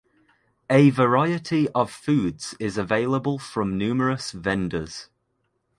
A variety of foods is available from numerous vendors.